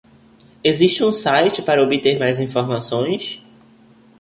Existe um site para obter mais informações?